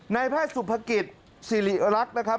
ในแพร่สุภกิจซีริระลักษมณ์นะครับ